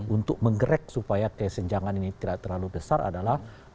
untuk menggerak supaya kesenjangan ini tidak terlalu besar adalah